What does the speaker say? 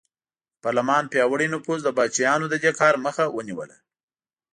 د پارلمان پیاوړي نفوذ د پاچاهانو د دې کار مخه ونیوله.